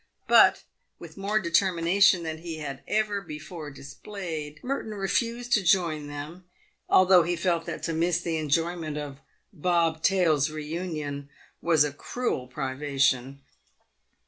But, with more determination than he had ever before displayed, Merton refused to join them, although he felt that to miss the enjoyment of Bob Tail's reunion was a cruel privation.